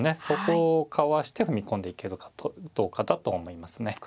そこをかわして踏み込んでいけるかどうかだと思いますね